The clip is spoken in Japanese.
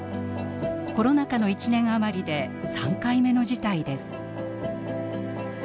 コロナ禍の１年余りで３回目の事態です。